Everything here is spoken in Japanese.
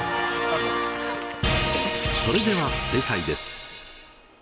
それでは正解です。